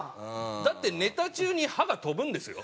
だってネタ中に歯が飛ぶんですよ。